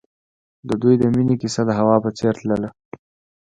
د دوی د مینې کیسه د هوا په څېر تلله.